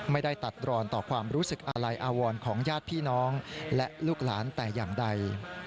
ไม่ได้ตัดรอนต่อความรู้สึกอาลัยอาวรของญาติพี่น้องและลูกหลานแต่อย่างใด